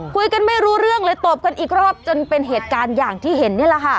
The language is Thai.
คุยกันไม่รู้เรื่องเลยตบกันอีกรอบจนเป็นเหตุการณ์อย่างที่เห็นนี่แหละค่ะ